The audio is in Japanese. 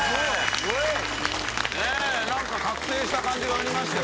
ねえなんか覚醒した感じがありましたよ。